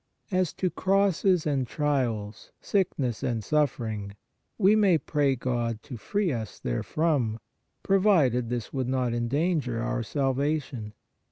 As to crosses and trials, sickness and suffering, we may pray God to free us therefrom, provided this would not endanger our salvation.